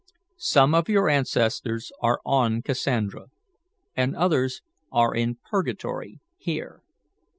"Some of your ancestors are on Cassandra, and others are in purgatory here.